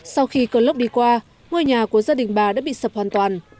sau khi cơn lốc đi qua ngôi nhà của gia đình bà đã bị sập hoàn toàn